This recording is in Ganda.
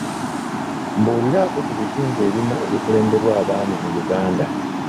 Mbuuliraako ku bitundu ebimu ebikulemberwa abaami mu Uganda.